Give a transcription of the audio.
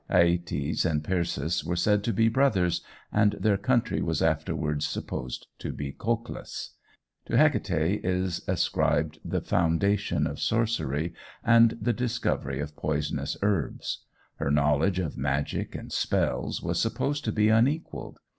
Æëtes and Perses were said to be brothers, and their country was afterwards supposed to be Colchis. To Hecate is ascribed the foundation of sorcery and the discovery of poisonous herbs. Her knowledge of magic and spells was supposed to be unequalled.